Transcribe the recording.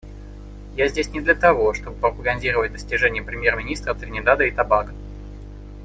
Я здесь не для того, чтобы пропагандировать достижения премьер-министра Тринидада и Тобаго.